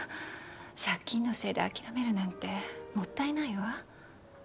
借金のせいで諦めるなんてもったいないわ